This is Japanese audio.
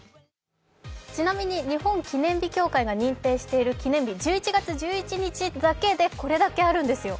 ちなみに日本記念日協会が認定している記念日、１１月１１日だけでこれだけあるんですよ。